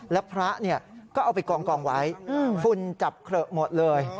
แล้วพระก็เอาไปกองไว้ฝุ่นจับเขละหมดเลย